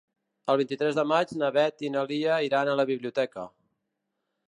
El vint-i-tres de maig na Beth i na Lia iran a la biblioteca.